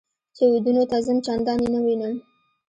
چې ودونو ته ځم چندان یې نه وینم.